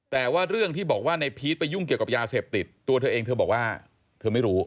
แต่ว่าเรื่องที่บอกว่าในพีชไปยุ่งเกี่ยวกับยาเสพติดตัวเธอเองเธอบอกว่าเธอไม่รู้